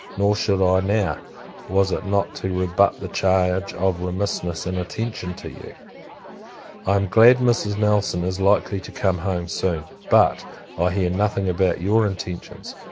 Nor should I now, was it not to rebut the charge of remissness and inattention to you. I am glad Mrs. Nelson is likely to come home soon; but, I hear nothing about your intentions.